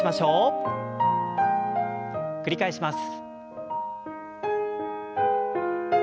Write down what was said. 繰り返します。